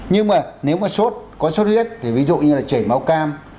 nhưng mà nếu mà sốt có sốt huyết thì ví dụ như là chảy máu cam